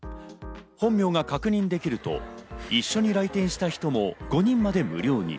本名が確認できると一緒に来店した人も５人まで無料に。